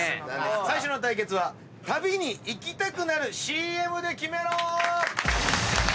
最初の対決は旅に行きたくなるＣＭでキメろ！